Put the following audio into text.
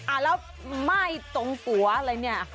อ่าแล้วไหม้ตรงหัวอะไรเนี่ย